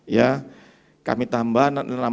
ya kami tambah enam ratus lima puluh satu